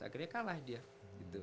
akhirnya kalah dia gitu